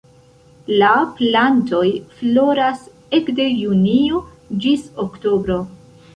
La plantoj floras ekde junio ĝis oktobro.